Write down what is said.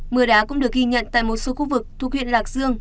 mưa đá cũng được ghi nhận tại một số khu vực thuộc huyện lạc dương